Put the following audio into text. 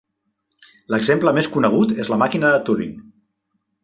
L'exemple més conegut és la màquina de Turing.